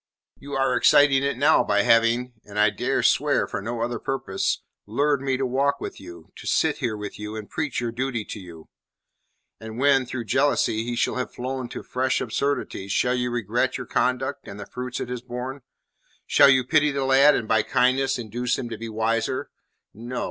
You are exciting it now by having and I dare swear for no other purpose lured me to walk with you, to sit here with you and preach your duty to you. And when, through jealousy, he shall have flown to fresh absurdities, shall you regret your conduct and the fruits it has borne? Shall you pity the lad, and by kindness induce him to be wiser? No.